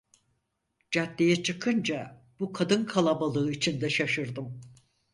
Caddeye çıkınca bu kadın kalabalığı içinde şaşırdım.